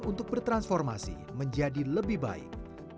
untuk bertransformasi menjadi lebih baik